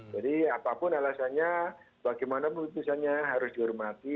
jadi apapun alasannya bagaimana putusannya harus dihormati